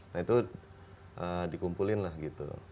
nah itu dikumpulin lah gitu